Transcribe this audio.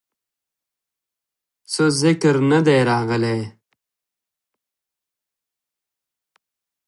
څۀ ذکر نۀ دے راغلے